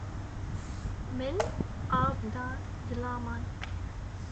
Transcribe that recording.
Min av da zilaman.